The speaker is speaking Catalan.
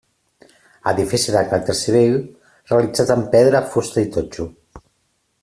Edifici de caràcter civil realitzat amb pedra, fusta i totxo.